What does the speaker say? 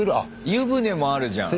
湯船もあるじゃん。